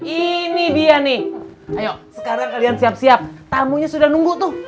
ini dia nih ayo sekarang kalian siap siap tamunya sudah nunggu tuh